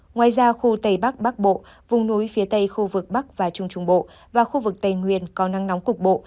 ngoài ra khu tây bắc bắc bộ vùng núi phía tây khu vực bắc và trung trung bộ và khu vực tây nguyên có nắng nóng cục bộ